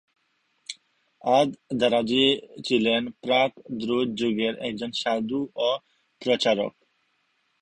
আদ-দারাজী ছিলেন প্রাক দ্রুজ যুগের একজন সাধু ও প্রচারক।